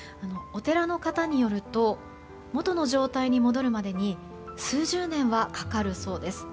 お寺の方によると元の状態に戻るまでに数十年はかかるそうです。